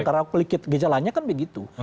karena gejalanya kan begitu